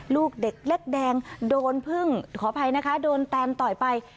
ลูกเด็กเล็กแดงโดนพึ่งขออภัยนะคะโดนแตนต่อยไป